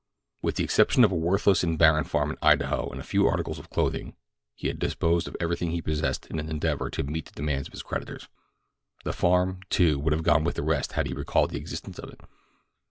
With the exception of a worthless and barren farm in Idaho and a few articles of clothing, he had disposed of everything he possessed in an endeavor to meet the demands of his creditors. The farm, too, would have gone with the rest had he recalled the existence of it.